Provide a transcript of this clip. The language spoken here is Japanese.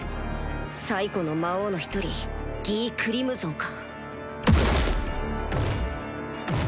最古の魔王の一人ギィ・クリムゾンか